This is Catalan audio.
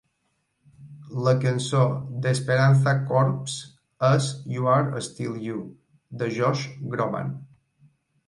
La cançó d'Esperanza Corps és "You're Still You" de Josh Groban.